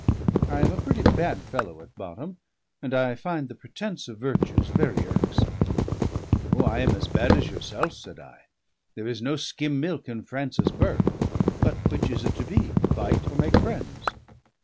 I am a pretty bad fellow at bottom, and I find the pretence of virtues very irksome." "O, I am as bad as yourself," said I. "There is no skim milk in Francis Burke. But which is it to be? Fight or make friends?"